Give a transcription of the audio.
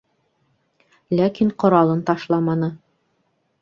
Ләкин ҡоралын ташламаны.